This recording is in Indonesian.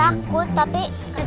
aku mau lihat